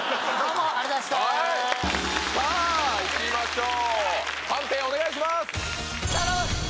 もういきましょう